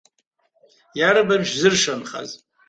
Иарбан шәзыршанхаз?